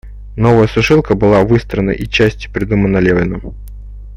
Новая сушилка была выстроена и частью придумана Левиным.